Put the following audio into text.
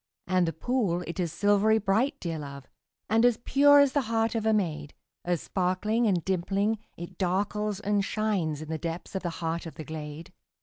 And the pool, it is silvery bright, dear love, And as pure as the heart of a maid, As sparkling and dimpling, it darkles and shines In the depths of the heart of the glade.